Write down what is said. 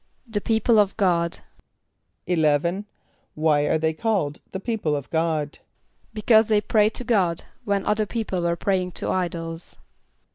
=The people of God.= =11.= Why are they called "the people of God"? =Because they prayed to God, when other people were praying to idols.